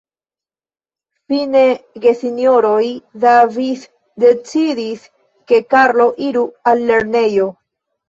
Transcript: Fine gesinjoroj Davis decidis, ke Karlo iru al lernejo.